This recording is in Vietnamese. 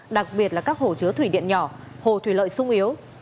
đặc biệt là các hồ chứa thủy điện nhỏ hồ thủy lợi sung yếu